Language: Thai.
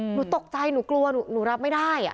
หนูตกใจหนูกลัวหนูรับไม่ได้